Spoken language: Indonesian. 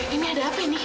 ini ada apa ini